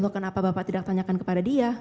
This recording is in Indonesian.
kenapa bapak tidak tanyakan kepada dia